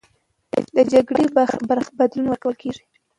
د جګړې برخلیک بدلون ورکول کېږي.